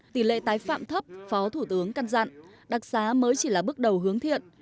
tỷ lệ tái phạm thấp phó thủ tướng căn dặn đặc xá mới chỉ là bước đầu hướng thiện